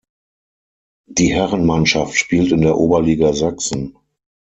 Die Herren-Mannschaft spielt in der Oberliga Sachsen.